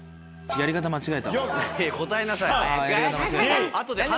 やり方間違えた。